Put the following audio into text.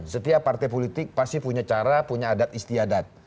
setiap partai politik pasti punya cara punya adat istiadat